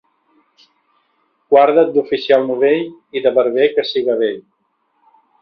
Guarda't d'oficial novell i de barber que siga vell.